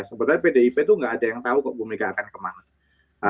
sebenarnya pdip itu nggak ada yang tahu kok bu mega akan kemana